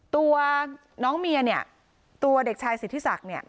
ตัวน้องเมียเนี่ยตัวเด็กชายสิทธิศักดิ์เนี่ย